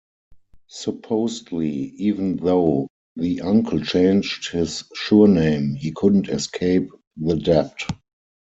Supposedly, even though the uncle changed his surname, he couldn't escape the debt.